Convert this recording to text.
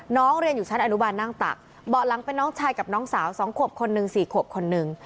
น้องเรียนอยู่ชั้นอนุบาลนั่งตักเบาะหลังเป็นน้องชายกับน้องสาว๒ขวบคนหนึ่ง๔ขวบคนหนึ่ง